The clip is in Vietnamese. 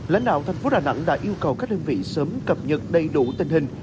lãnh đạo thành phố đà nẵng đã yêu cầu các đơn vị sớm cập nhật đầy đủ tình hình